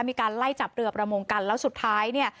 มีการไล่จับเรือประมงกันแล้วสุดท้ายเนี่ย